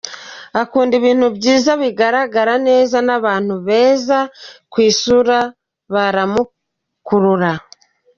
Akunda ibintu byiza bigaragara neza n’abantu beza ku isura baramukurura.